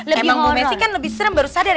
emang bu messi kan lebih serem baru sadar ya